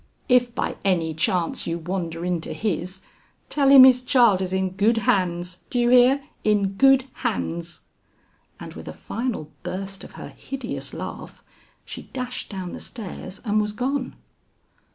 "If by any chance you wander into his, tell him his child is in good hands, do you hear, in good hands!" And with a final burst of her hideous laugh, she dashed down the stairs and was gone.